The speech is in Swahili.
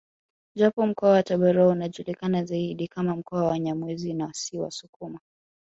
Japo mkoa wa Tabora unajulikana zaidi kama mkoa wa Wanyamwezi na si wasukuma